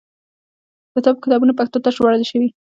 د طب کتابونه پښتو ته ژباړل شوي.